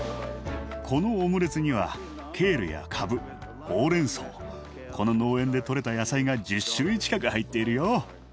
このオムレツにはケールやかぶほうれんそうこの農園でとれた野菜が１０種類近く入っているよ。